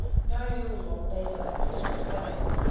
No yule log needed on Christmas Day.